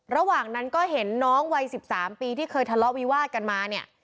ระหว่างนั้นก็เห็นน้องวัย๑๓ปีที่เคยทะเลาะวิวาดกันมาเนี่ย